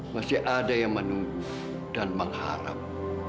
masih ada yang menunggu dan mengharap